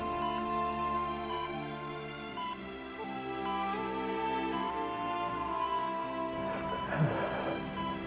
untuk masalah ibu elsa